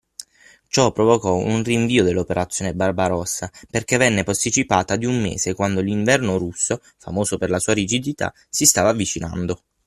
Ciò provocò un rinvio dell'Operazione Barbarossa perché venne posticipata di un mese quando l'inverno russo, famoso per la sua rigidità, si stava avvicinando.